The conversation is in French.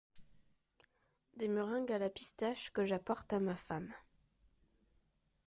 Des meringues à la pistache que j’apporte à ma femme…